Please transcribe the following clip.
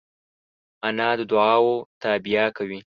انا د دعاوو تابیا کوي